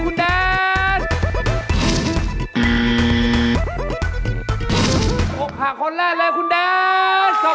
กลับไปก่อนเลยนะครับ